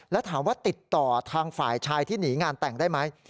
แล้วถามว่าติดต่อทางฝ่ายชายที่หนีงานแต่งได้ไหม